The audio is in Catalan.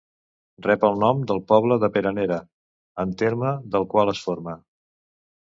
Rep el nom del poble de Peranera, en terme del qual es forma.